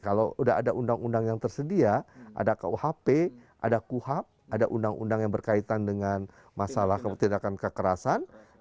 kalau sudah ada undang undang yang tersedia ada kuhp ada kuhap ada undang undang yang berkaitan dengan masalah tindakan kekerasan